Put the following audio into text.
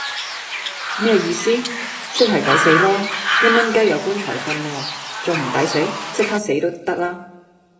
咩意思?即系抵死囉!一蚊雞有棺材訓喔,仲唔抵死?即刻死都得啦